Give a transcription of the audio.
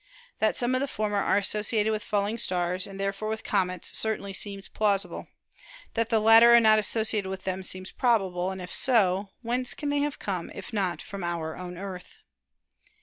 That some of the former are associated with falling stars, and therefore with comets, certainly seems plausible. That the latter are not associated with them seems probable, and if so, whence can they have come if not from our own Earth